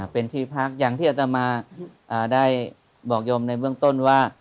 เป็นที่พักอย่างที่อัตมาได้บอกโยมในเบื้องต้นว่า